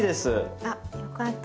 あっよかった。